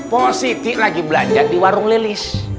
positif lagi belanja di warung lelis